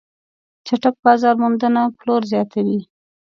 چټک بازار موندنه پلور زیاتوي.